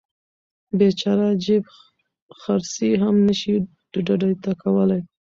بیچاره جیب خرڅي هم نشي ډډې ته کولی.